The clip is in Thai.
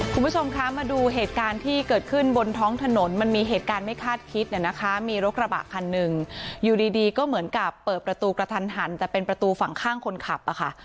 คุณผู้ชมคะมาดูเหตุการณ์ที่เกิดขึ้นบนท้องถนนมันมีเหตุการณ์ไม่คาดคิดเนี่ยนะคะมีรถกระบะคันหนึ่งอยู่ดีดีก็เหมือนกับเปิดประตูกระทันหันแต่เป็นประตูฝั่งข้างคนขับอ่ะค่ะ